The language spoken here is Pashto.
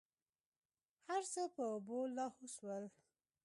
هرڅه په اوبو لاهو سول.